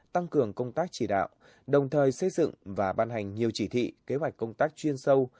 tăng cường công tác chỉ đạo đồng thời xây dựng và ban hành nhiều chỉ thị kế hoạch công tác chuyên sâu